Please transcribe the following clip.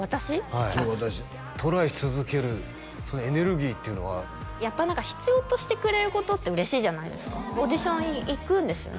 はいトライし続けるエネルギーっていうのはやっぱ必要としてくれることって嬉しいじゃないですかオーディション行くんですよね